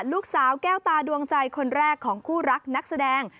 ลูกสาวแก้วตาดวงใจคนแรกของคู่รักนักแสดง